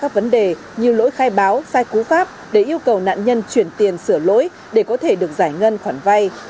các đối tượng đã liên tục đưa ra các vấn đề như lỗi khai báo sai cú pháp để yêu cầu nạn nhân chuyển tiền sửa lỗi để có thể được giải ngân khoản vay